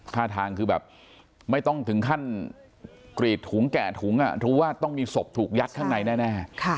ท่าทางคือแบบไม่ต้องถึงขั้นกรีดถุงแกะถุงรู้ว่าต้องมีศพถูกยัดข้างในแน่